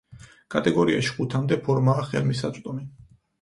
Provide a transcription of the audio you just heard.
კატეგორიაში ხუთამდე ფორმაა ხელმისაწვდომი.